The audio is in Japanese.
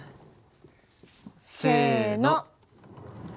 せの！